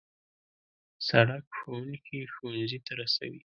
سړک ښوونکي ښوونځي ته رسوي.